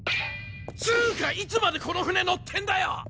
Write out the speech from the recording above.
つうかいつまでこの船乗ってんだよ！